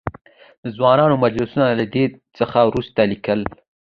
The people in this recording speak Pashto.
د ځوانانو مجلسونه؛ له دې څخه ورورسته ليکوال.